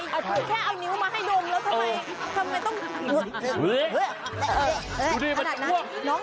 แค่เอานิ้วมาให้ดมแล้วทำไมทำไมต้อง